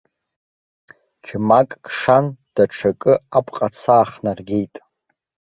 Ьмак кшан даҽакы апҟаца аахнаргеит.